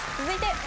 続いて。